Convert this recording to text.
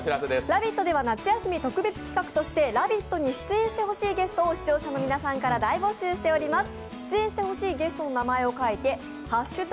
「ラヴィット！」では夏休み特別企画として「ラヴィット！」に出演してほしいゲストを視聴者の皆さんから大募集しています。